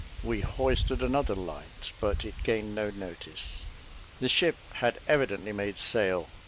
We hoisted another light, but it gained no notice: the ship had evidently made sail.